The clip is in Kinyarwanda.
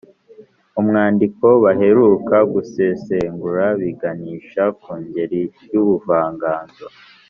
umwandiko baheruka gusesengura biganisha ku ngeri y’ubuvanganzo